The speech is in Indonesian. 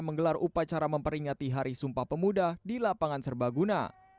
menggelar upacara memperingati hari sumpah pemuda di lapangan serbaguna